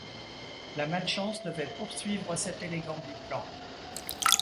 La malchance devait poursuivre cet élégant biplan.